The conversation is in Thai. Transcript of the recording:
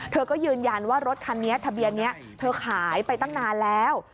เธอก็ยืนยันว่ารถคันนี้ทะเบียนนี้เธอขายไปตั้งนานแล้ว